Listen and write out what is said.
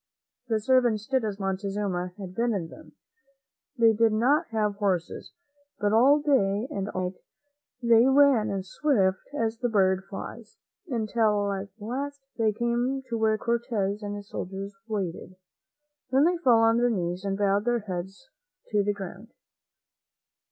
The servants did as Montezuma had bidden them. They did not have horses, but all day and all night they ran as swift as the bird flies, until at last they came to where Cortez and his soldiers waited. Then they fell on their knees and bowed their heads to the ground.